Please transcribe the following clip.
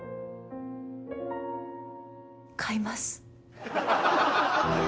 買います。